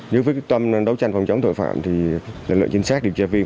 nếu với tâm đấu tranh phòng chống tội phạm thì lực lượng chính xác điều tra viên